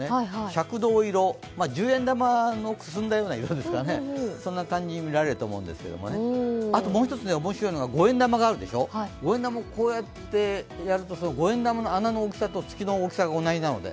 赤銅色、十円玉のくすんだような色ですかね、そんな感じに見られると思うんですけど、もう一つ面白いのが、五円玉あるでしょ、五円玉、こうやってやると五円玉の穴の大きさと月の大きさが同じなので。